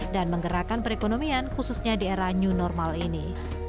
dan menggerakkan perekonomian khususnya di era new normal ini